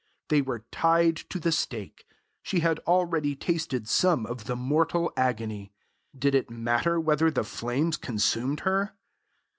They were tied to the stake. She had already tasted some of the mortal agony. Did it matter whether the flames consumed her?